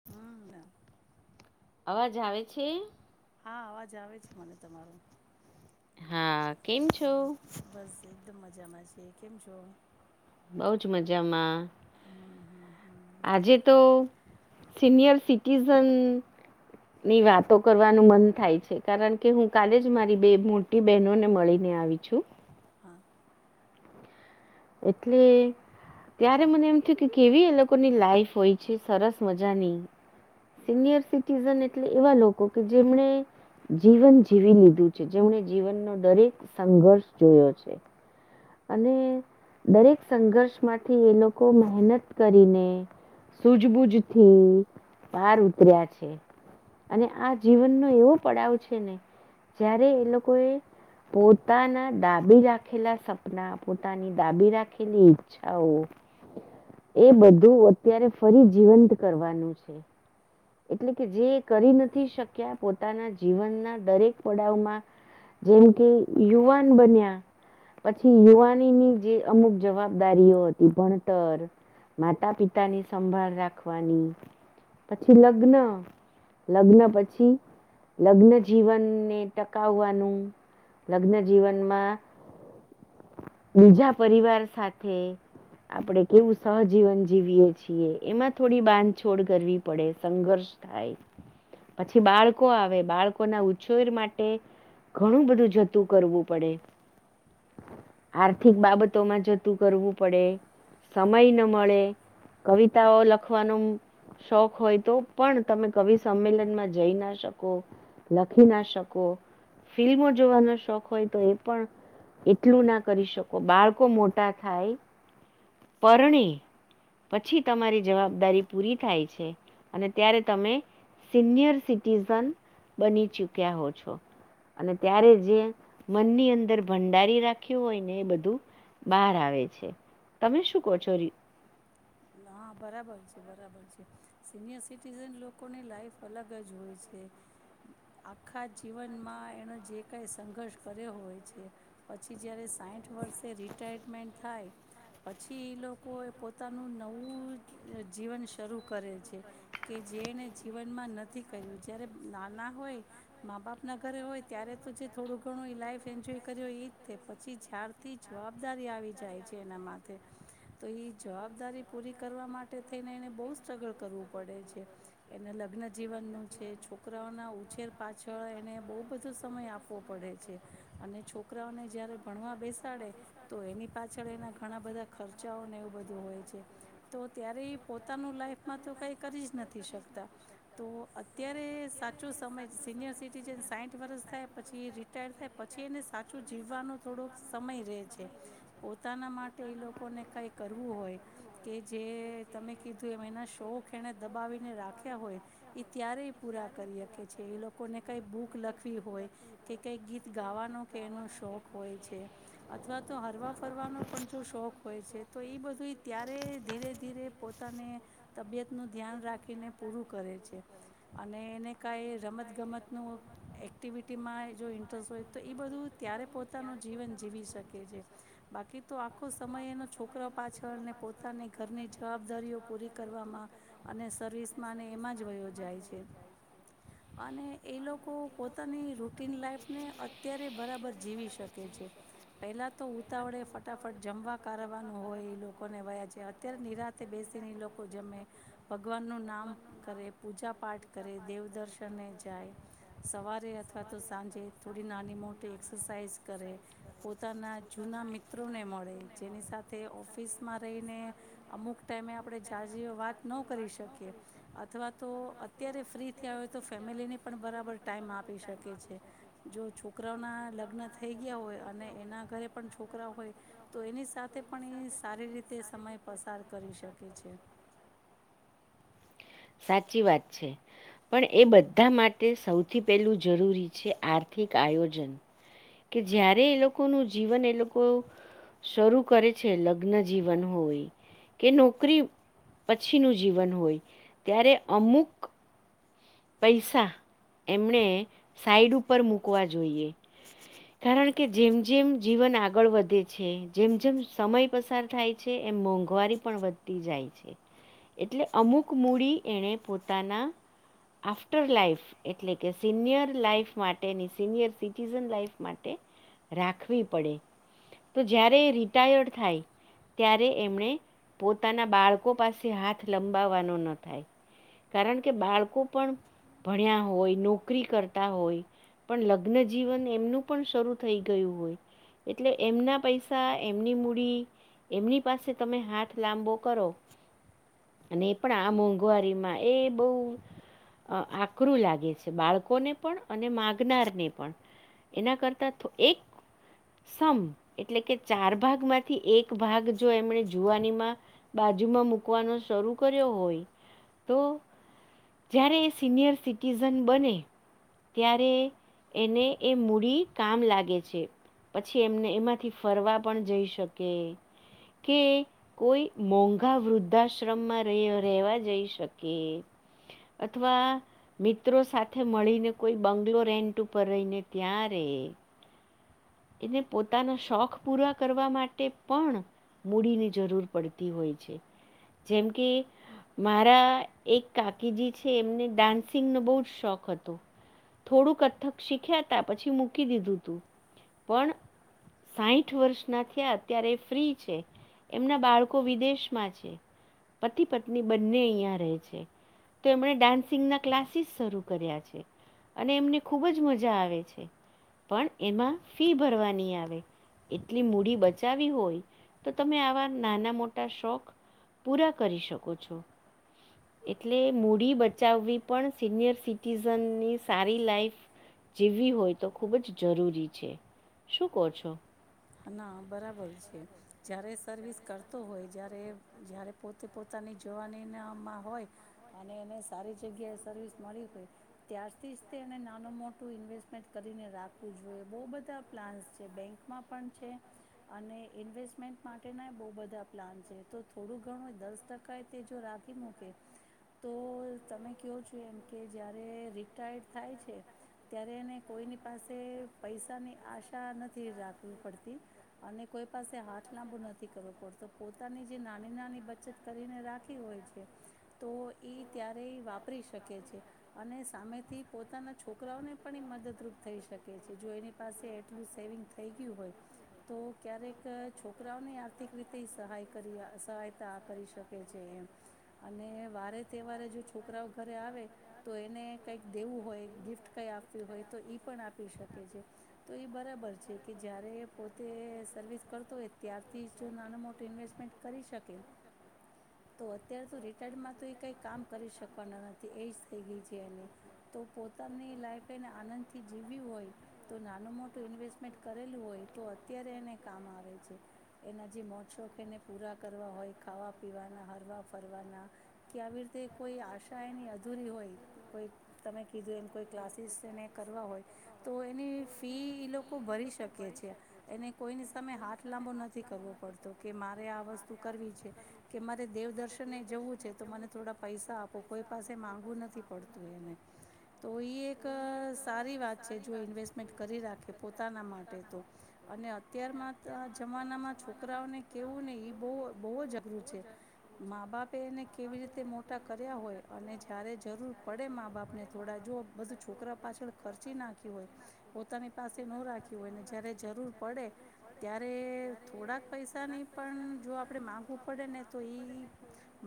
[unintelligible] અવાજ આવે છે. હા અવાજ આવે છે મને તમારો. હા કેમ છો. હા બસ એકદમ મજામાં છે કેમ છો. બહુ જ મજામાં. હમ હમ હમ આજે તો સિનિયર સિટીઝન ની વાતો કરવાનું મન થાય છે કારણ કે હું કાલે જ મારી બે મો મોટી બહેનોને મળીને આવી છું. હા. એટલી ત્યારે મને એમ થયું કે કેવી એ લોકોની લાઈફ હોય છે સરસ મજાની. સિનિયર સિટીઝન એટલે એવા લોકો કે જેમને જીવન જીવી લીધું છે જેમણે જીવનનો દરેક સંઘર્ષ જોયો છે. અને દરેક સંઘર્ષમાંથી એ લોકો મહેનત કરીને સુૂજબુજ થી પાર ઉતર્યા છે. અને આ જીવનનો એવો પડાવ છે ને જ્યારે એ લોકો એ પોતાના ડાબી રાખેલા સાપ સપના પોતાની ડાબી રાખેલી ઈચ્છાઓ એ બધું અત્યારે ફરી જીવંત કરવાનું છે. એટલે કે જે કરી નથી શક્યા પોતાના જીવનના દરેક પડાવમાં જેમ કે યુવાન બન્યા પછી યુવાનીની જે અમુક જવાબદારીઓ હતી ભણતર માતા પિતા ની સંભાળ રાખવાની પછી લગ્ન લગ્ન પછી લગ્ન જીવનને ટકાવવાનું લગ્ન જીવનમાં બીજા પરિવાર સાથે આપડે કેવું સહજીવન જીવીએ છીએ એમાં થોડી બાંધછોડ કરવી પડે સંઘર્ષ થાય પછી થી બાળકો આવે બાળકો ના ઉછોર માટે ઘણું બધું જતું કરવું પડે આર્થિક બાબતોમાં જતું કરવું પડે સમય ન મળે કવિતાઓ લખવાનું શોખ હોય તો પણ તમે કવિ સંમેલનમાં જઈ ના શકો લખી ના શકોકો ફિલ્મો જોવાનો શોખ હોય તો એ પણ એટલું ના કરી શકો બાળકો મોટા થાય પરણી પછી તમારી જવાબદારી પૂરી થાય છે છે અને ત્યારે તમે સિનિયર સિટીિઝન બની ચૂક્યા હો છો. અને ત્યારે જે મનની અંદર ભંડારી રાખ્યું હોય ને એ બધું બહાર આવે છે તમે શું કહો છો? ના બરાબર છે બરાબર છે સિનિયર સિટીઝન લોકોની લાઈફ અલગ જ હોય છે આખા જીવનમાં એણે જે કાઈ સંઘર્ષ કર્યો હોય છે પછી જય્યારે સાઠ વર્ષે રિટાયરમેન્ટ થાય પછી એ લોકોએ પો પોતાનું નવું જીવન શરૂ કરે છે. કે જે એણે જીવનમાં નથી કર્યું જ્યારે નાના હોય મા બાપના ઘરે હોય ત્યારે તો જે થોડું ઘણું લાઈફ એન્જોય કર્યો એઈ પછી થી જવાબદારી આવી જાય છે એના માથે તો ઈ જવાબદારી પૂરી કરવા માટે થઈને એને બહુ જ સ્ટ્રગલ કરવું પડે છે. એને લગ્નજીવનનું છે છોકરાઓના ઉછેર પાછળ એને બહુ બધો સમય આપવો પડે છે અને છોકરાઓને જયારે ભણવા બેસાડે તો એની પાછળ એના ઘણા બધા ખર્ચાઓ ને એવું બધું હોય છે તો ત્યારે પોતાનું લાઈફમાં તો કઈ કરી જ નથી શકતા તો અત્યારે સાચો સમય સિનિયર સિટીઝન સાઠ વર્ષ થાય પછી રી રિટાયર થાય પછી એને સાચું જીવવાનો થોડોક સમય રે છે પોતાના માટે એ લોકોને કઈ કરવું હોય કે જે તમે કીધું એમ એના શોખ એણે દબાવીને રાખ્યા હોય એ ત્યારેય પૂરા કરી શકે છે એ લોકોને કંઈ બુક લખવી હોય કે કઈ ગીત ગાવાનો કે એનો શોખ હોય છે અથવા તો હરવા ફરવાનો પણ જો શોખ હોય છે તો એ બધું ત્યારે ધીરે ધીરે પોતાને તબિયત નું ધ્યાન રાખીને પૂરું કરે છે અને એને કાંઈ રમતગમતનું એક્ટિવિટીમાં જો ઇન્ટરેસ્ટ હોય તો એ બધું ત્યારે પોતાનું જીવન જીવી શકે છે બાકી તો આખો સમય એ છોક છોકરાઓ પાછળને પોતાની ઘરની જવાબદારીઓ પૂરી કરવામાં અને સર્વિસમાં અને એમાં જ વયો જાય છે અને એ લોકો પોતાની રૂટીન લાાઈફને અત્યારે બરાબર જીવી શકે છે પહેલા તો ઉતાવળે ફટાફટ જમવા કારણ કરવાનું હોય એ લોકોને વયા છે અત્યારે નિરાતે બેસીને એ લોકો જમે ભગવાનનું નામ કરે પૂજા પાઠ કરે દેવદર્શનને જાય સવારે અથવા તો સાંજે થોડી નાની મોટી એક્સરસાાઈઝ કરે પોતાના જૂના મિત્ર મિત્રો ને મળે જેની સાથે ઓફિસ માં રહીને અમુક ટાઈમે આપણે જા વાત ન કરી શકીએ અથવા તો અત્યારે ફ્રી થયા હોય તો ફેમિલીને પણ બરાબર ટાઈમ આપી શકે છે જો છોકરા છોકરાઓના લગ્ન થઈ ગયા હોય અને એના ઘરે પણ છોકરા હોય તો એની સાથે પણ એ સારી રીતે સમય પસાર કરી શકે છે સાચી વાત છે પણ એ બધા માટે સૌથી પહેલું જરૂરી છે આર્થિક આયોજન કે જયારે એ લોકો નુ જીવન એ લોકો એ લોકો શરૂ કરે છે લગ્ન જીવન હોય કે નોકરી પછી નું જીવન હોય ત્યારે અમુક પૈસા એમણે સાઈડ ઉપર મૂકવા જોઈએ કારણ કે જેમ જેમ જીવન આગળ વધે છે જેમ જેમ સમય પસાર થાય છે એમ મોંઘવારી પણ વધતી જાય છે એટલે અમુક મૂડી એણે પોતાના આફ્ટર લાઈફ એટલે કે સિનિયર લાઈફ માટે ની સિનિયર સિટીઝન લાઈફ માટે રાખવી પડે તો જય્યારે એ રિટાયર્ડ થાય ત્યારે એમણે પોતાના બાળકો પાસે હાથ લંબાવવાનો ન થાય કારણ કે બાળકો પણ ભણ્યા હોય નોકરી કરતા હોય પણ લગ્નજીવન એમનું પણ શરૂ થઈ ગયું હોય એટલે એમના પૈસા એમની મૂડી એમની પાસે તમે હાથ લાંબો કરો અને એ પણ આ મોંઘવારીમાં એ બહુ અ આકરું લાગે છે બાળકોને પણ અને માગનારને પણ એના કરતા તો એક સમ એટલે કે ચાર ભાગ માંથી એક ભાગ જો એમણે જુવાનીમાં બાજુમાં મૂકવાનો શરૂ કર્યો હોય તો જ્યારે એ સિનિયર સિટીઝન બને ત્યારે એને એ મૂડી કામ લાગે છે પછી એમને એમાંથી ફરવા પણ જઈ શકે કે કોઈ મોંઘા વૃદ્ધાશ્રમમાં રહેેવા જઈ શકે અથવા મિત્રો સાથે મળીને કોઈ બંગ્લો એેન્ટ ઉપર રહીને ત્યા રહીયે એને પોતાના શોખ પૂરા કરવા માટે પણ મૂડીની જરૂર પડતી હોય છે જેમ કે મારા એક કાકીજી છે એમને ડાન્સિંગ નો બહ જ શોખ હતો થોડું કથક શીખ્યા હતા પછી મૂકી દીધું તું પણ સાઠ વર્ષ ના થયા અત્યારે ફ્રી છે એમના બાળકો વિદેશમાં છે પતિ પત્ની બંને અહિયાં રહે છે તો એમણે ડાન્સિંગના ક્લાસીસ શરૂ કર્યા છે અને એમને ખુબ જ મજા આવે છે પણ એમાં ફી ભરવાની આવે એટલી મૂડી બચાવી હોય તો તમે આવા નાના મોટા શોખ પૂરા કરી શકો છો એટલે મૂડી બચાવવી પણ સિનિયર સિટીઝનની સારી લાઈફ જીવવી હોય તો ખૂબ જ જરૂરી છે શું કહો છો ના બરાબર છે જ્યારે સર્વિસ કરતો હોય જ્યારે, જ્યારે પોતે પોતાની જવાનીમાં હોય અને એને સારી જગ્યાએ સર્વિસ મળી હોય ત્યારથી જ તે એને નાનું મોટું ઇન્વેસ્ટમેન્ટ કરીને રાખવું જોઈએ બહુ બધા પ્લાન્સ છે બેંકમાં પણ છે અને ઇન્વેસ્ટમેન્ટ માટેના બહુ બધા પ્લાન છે તો થોડું ઘણું દસ ટકા કાય તે જો રાખી મૂકે તો તમે કયો છો એમ કે જ્યારે રિટાયર્ડ થાય છે ત્યારે એને કોઈની પાસે પૈસાની આશા નથી રાખવી પડતી અને કોઈ પાસે હાથ લાંબુ નથી કરવો પડતો પોતાની જે નાની નાની બચત કરીને રાખી હોય છે તો એઈ ત્યારેય વાપરી શકે છે અને સામેથી પોતાના છોકરાઓને પણ ઈ મદદરૂપ થઈ શકે છે જો એની પાસે એટલું સેવિંગ થઈ ગયું હોય તો ક્યારેક છોકરાઓને આર્થિક રીતેઈ સહાય કરી સહાયતા કરી શકે છે એમ અને વારે તહેવારે જો છોકરાઓ ઘરે આવે તો એને કઈક દેવું હોય ગિફ્ટ કઈ આપવી હોય તો ઈ પણ આપી શકે છે તો ઈ બરાબર છે કે જ્યારે પોતે સર્વિસ કરતો હોય ત્યારથી જો નાના મોટું ઇન્વેસ્ટમેન્ટ કરી શકે તો અત્યારે શુ રિટાયર્ડમાં તો એ કઈ કામ કરી શકવાના નથી એજ થઈ ગઈ છે એને તો પોતાની લાઈફ એને આનંદથી જીવ્યું હોય તો નાનું મોટું ઈન્વેસ્ટમેન્ટ કરેલું હોય તો અત્યારે એને કામ આવે છે એના જે મોજ શોખ એને પૂરા કરવા હોય ખાવા પીવાના, હરવા ફરવાના કે આવી રીતે કોઈ આશા એની અધૂરી હોય કોઈ તમે કીધું એમ કોઈ ક્લાસીસ એને કરવા હોય તો એની ફી ઈ લોકો ભરી શકે છે એને કોઈની સામે હાથ લાંબો નથી કરવો પડતો કે મારે આ વસ્તુ કરવી છે કે મારે દેવદર્શન એ જવું છે તો મને થોડા પૈસા આપો કોઈ પાસે માગું નથી પડતું એને તો ઈ એક સારી વાત છે જો ઇન્વેસ્ટમેન્ટ કરી રાખે પોતાના માટે તો અને અને અત્યારમાં જમાનામાં છોકરાઓને કેવું ને એ બહુ, બહુ જ અઘરું છે મા-બાપ એને કેવી રીતે મોટા કર્યા હોય અને જ્યારે જરૂર પડે મા-બાપને થોડા જો બધું છોકરા પાછળ ખર્ચી નાખ્યું હોય પોતાની પાસે ન રાખ્યું હોયને જ્યારે જરૂર પડે ત્યારે થોડાક પૈસાની પણ જો આપણે માગવું પડે ને તો ઈ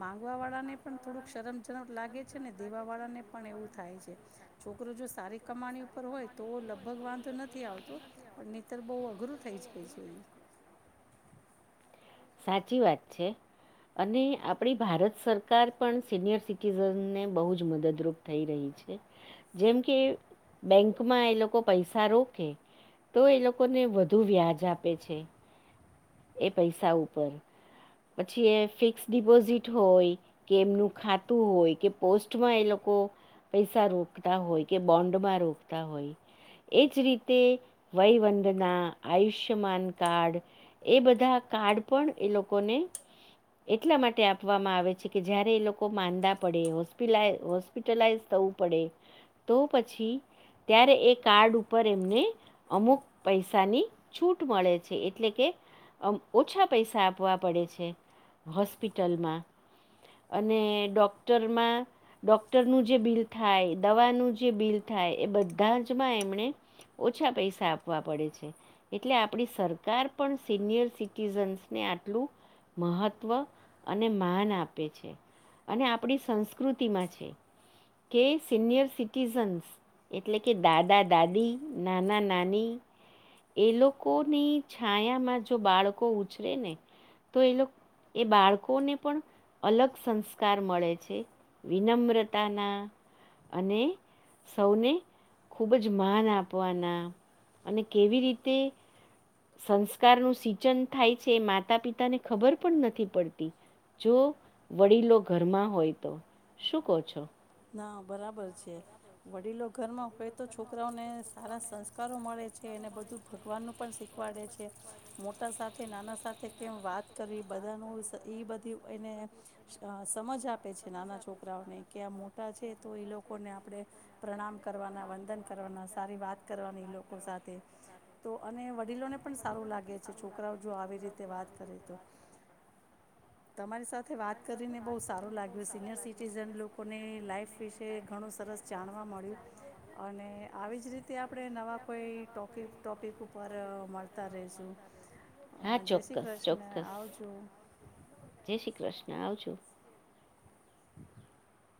માંગવાવાળા ને પણ થોડુંક શરમજનક લાગે છે ને દેવાવાળાને પણ એવું થાય છે છોકરો જો સારી કમાણી પર હોય તો લગભગ વાંધો નથી આવતો પણ નહીતર બહુ અઘરું થઈ જાય છે ઈ સાચી વાત છે અને આપણી ભારત સરકાર પણ સિનિયર સિટીઝનને બહુ જ મદદરૂપ થઈ રહી છે જેમ કે બેંકમાં એ લોકો પૈસા રોકે તો એ લોકોને વધુ વ્યાજ આપે છે એ પૈસા ઉપર, પછી એ ફિક્સ ડિપોઝિટ હોય કે એમનું ખાતું હોય કે પોસ્ટમાં એ લોકો પૈસા રોકતા હોય કે બોન્ડ માં રોકતા હોય એજ રીતે વહીવંદના, આયુષ્યમાન કાર્ડ એ બધા કાર્ડ પણ એ લોકોને એટલા માટે આપ આપવામાં આવે છે કે જયારે એ લોકો માંદા પડે હોસ્પિ હોસ્પિટલાઈઝ થવું પડે તો પછી ત્યારે એ કાર્ડ ઉપર એમને અમુક પૈસાની છૂટ મળે છે એટલે કે અમ ઓછા પૈસા આપવા પડે છે હોસ્પિટલમાં અને ડોક્ટરમાં ડોક્ટરનું જે બિલ થાય દવાનું જે બિલ થાય એ બધાજ માં એમણે ઓછા પૈસા આપવા પડે છે. એટલે આપણી સરકાર પણ સિનિયર સિટીઝન્સને આટલું મહત્વ અને માન આપે છે અને આપણી સંસ્કૃતિમાં છે. કે સીનિયર સિટીઝન્સ એટલે કે દાદા દાદી નાના નાની એ લોકોની છાયામાં જો બાળકો ઉછરે ને તો એ લોક એ બાળ કોને પણ અલગ સંસ્કાર મળે છે વિનમ્રતાના અને. સૌને ખૂબ જ માન આપવાના અને કેવી રીતે. સંસ્કારનું સિંચન થાય છે એ માતા પિતા ને ખબર પણ નથી પડતી. જો વડીલો ઘરમાં હોય તો શું કહો છો. ના બરાબર છે. વડીલો ઘરમાં હોય તો છોકરાઓને સારા સંસ્કારો મળે છે અનેને બધું ભગવાનનું પણ શીખવાડે છે મોટા સાથે નાના સાથે કેમ વાત કરવી બધાનું એ બધી એને અ સમજ આપે છે નાના છોકરાઓને કે આ મો ટા છે તો એ લોકોને આપણે પ્રણામ કરવાના વંદન કરવાના સારી વાત કરવાની એ લોકો સાથે તો અને વડીલોને પણ સારું લાગે છે છોકરાઓ જો આવી રીતે વાત કરે તો. તમારી સાથે વાત કરીને બહુ સારું લાગ્યું સિનિયર સિટીઝન લોકોને લાઈફ વિશે ઘણું સરસ જાણવા મળ્યું અને આવી જ રીતે આપણે નવા કોઈ ટોપિક ટોપિક ઉપર અ મળતા રેશું હા જય શ્રી ચોક્કસ કૃષ્ણ ચોક્કસ આવજો. જય શ્રી કૃષ્ણ આવજો. [unintelligible]